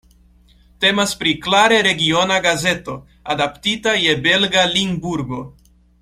Temas pri klare regiona gazeto, adaptita je belga Limburgo.